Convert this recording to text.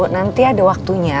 nanti ada waktunya